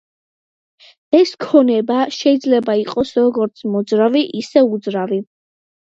ეს ქონება შეიძლება იყოს როგორც მოძრავი, ისე უძრავი.